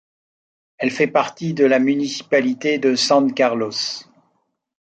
Elle fait partie de la municipalité de San Carlos.